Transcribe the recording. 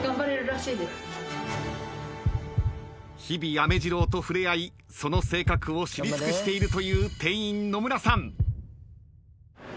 日々飴治郎と触れ合いその性格を知り尽くしているという店員野村さん。